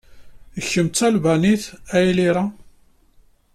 Kemm d Talbanit a Elira?